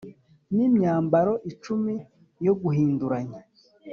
n imyambaro icumi yo guhinduranya